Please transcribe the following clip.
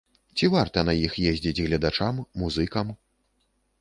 Ці варта на іх ездзіць гледачам, музыкам?